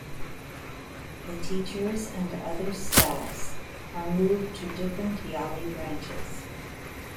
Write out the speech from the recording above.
The teachers and other staffs are moved to different Yali branches.